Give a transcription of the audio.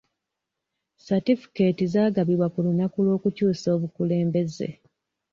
Satifukeeti zaagabibwa ku lunaku lw'okukyusa obukulembeze.